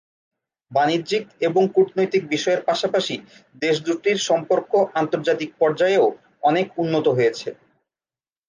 বাণিজ্যিক এবং কূটনৈতিক বিষয়ের পাশাপাশি দেশ দুটির সম্পর্ক আন্তর্জাতিক পর্যায়েও অনেক উন্নত হয়েছে।